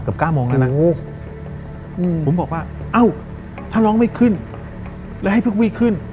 เกือบก้าวโมงแล้วนะอืมผมบอกว่าเอาถ้าน้องไม่ขึ้นแล้วให้พี่ขึ้น